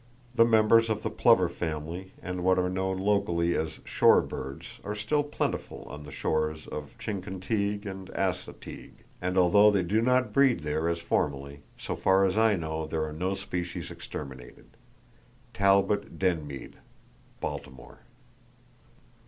The members of the Plover Family and what are known locally as shore birds are still plentiful on the shores of Chincoteague and Assateague, and although they do not breed there as formerly, so far as I know there are no species exterminated.—(Talbott Denmead, Baltimore.)